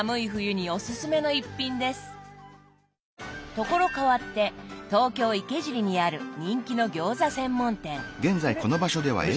所変わって東京・池尻にある人気の餃子専門店。